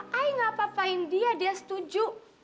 gak apa apain dia dia setuju